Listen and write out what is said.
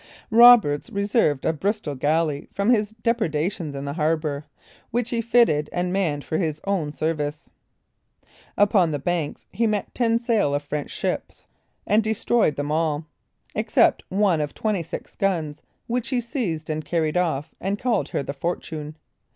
Roberts reserved a Bristol galley from his depredations in the harbor, which he fitted and manned for his own service. Upon the banks he met ten sail of French ships, and destroyed them all, except one of twenty six guns, which he seized and carried off, and called her the Fortune.